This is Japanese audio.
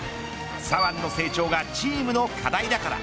左腕の成長がチームの課題だから。